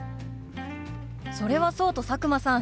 それはそうと佐久間さん